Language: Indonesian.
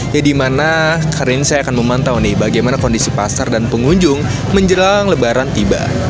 ya dimana kali ini saya akan memantau nih bagaimana kondisi pasar dan pengunjung menjelang lebaran tiba